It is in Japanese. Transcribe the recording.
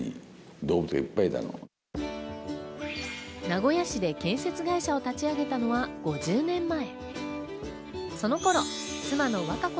名古屋市で建設会社を立ち上げたのは５０年前。